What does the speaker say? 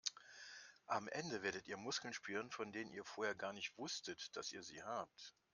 Am Ende werdet ihr Muskeln spüren, von denen ihr vorher gar nicht wusstet, dass ihr sie habt.